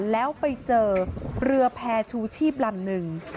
แล้วไปเจอเรือแพร่ชูชีพลำนึง